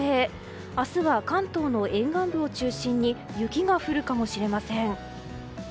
明日は関東の沿岸部を中心に雪が降るかもしれません。